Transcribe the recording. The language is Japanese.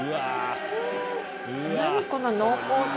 何この濃厚さ。